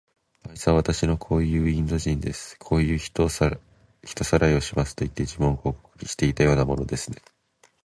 あいつは、わたしはこういうインド人です。こういう人さらいをしますといって、自分を広告していたようなものですね。